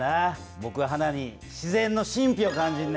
ぼくは花に自然の神ぴを感じんねん。